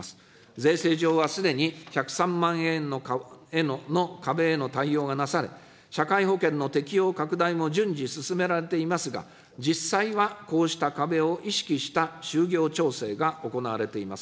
税制上はすでに１０３万円の壁への対応がなされ、社会保険の適用拡大も順次進められていますが、実際はこうした壁を意識した就業調整が行われています。